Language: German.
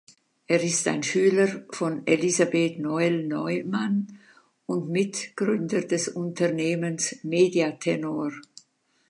Er ist ein Schüler von Elisabeth Noelle-Neumann und Mitgründer des Unternehmens Media Tenor.